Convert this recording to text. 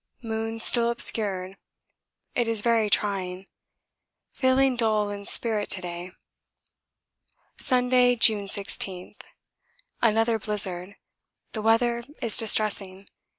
Moon still obscured it is very trying. Feeling dull in spirit to day. Sunday, June 18. Another blizzard the weather is distressing.